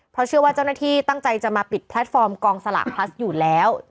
เพราะเชื่อว่าเจ้าหน้าที่ตั้งใจจะมาปิดแพลตฟอร์มกองสลากพลัสอยู่แล้ว